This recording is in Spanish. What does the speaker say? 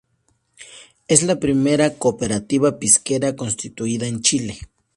Es la primera cooperativa pisquera constituida en Chile.